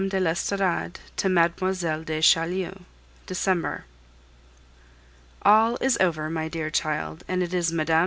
DE L'ESTORADE TO MLLE. DE CHAULIEU. December. All is over, my dear child, and it is Mme.